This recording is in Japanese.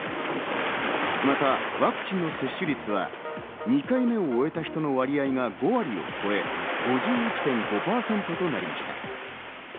またワクチンの接種率は２回目を終えた人の割合が５割を超え、５１．５％となりました。